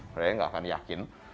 mereka nggak akan yakin